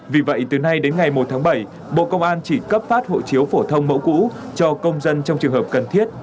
vì vậy từ nay đến ngày một tháng bảy bộ công an chỉ cấp phát hộ chiếu phổ thông mẫu cũ cho công dân trong trường hợp cần thiết